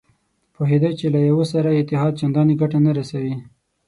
پوهېده چې له یوه سره اتحاد چندانې ګټه نه رسوي.